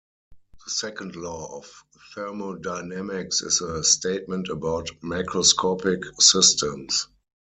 The second law of thermodynamics is a statement about macroscopic systems.